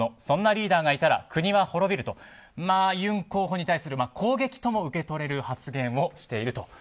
そんなリーダーがいたら国は滅びるとユン候補に対する攻撃とも受け取れる発言をしている。